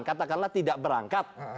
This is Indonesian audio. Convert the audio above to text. katakanlah tidak berangkat